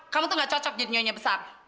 kamu tuh gak cocok jadi nyonya besar